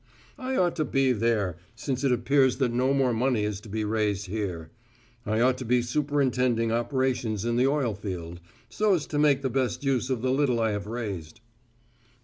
I ought to be there, since it appears that no more money is to be raised here. I ought to be superintending operations in the oil field, so as to make the best use of the little I have raised."